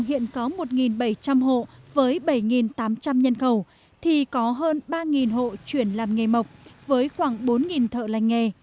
hiện có một bảy trăm linh hộ với bảy tám trăm linh nhân khẩu thì có hơn ba hộ chuyển làm nghề mộc với khoảng bốn thợ lành nghề